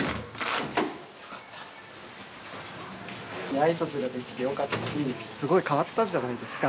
挨拶ができてよかったしすごい変わったじゃないですか。